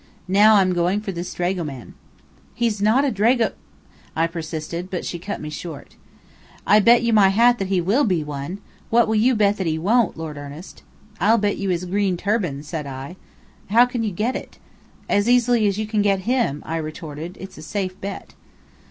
Now I'm going for this dragoman." "He's not a drag " I persisted, but she cut me short. "I bet you my hat he will be one! What will you bet that he won't, Lord Ernest?" "I'll bet you his green turban," said I. "How can you get it?" "As easily as you can get him," I retorted. "It's a safe bet."